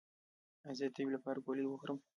ایا زه د تبې لپاره ګولۍ وخورم؟